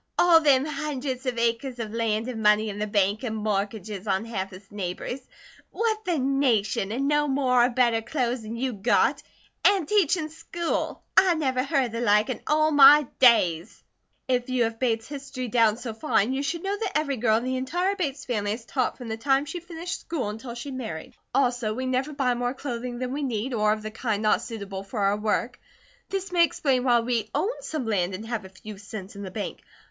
All them hundreds of acres of land an' money in the bank an' mortgages on half his neighbours. Whut the nation! An' no more of better clo's an' you got! An' teachin' school! I never heard of the like in all my days!" "If you have Bates history down so fine, you should know that every girl of the entire Bates family has taught from the time she finished school until she married. Also we never buy more clothing than we need, or of the kind not suitable for our work. This may explain why we own some land and have a few cents in the Bank.